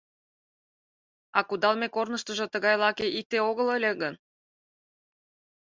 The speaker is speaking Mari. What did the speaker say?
А кудалме корныштыжо тыгай лаке икте огыл ыле гын?..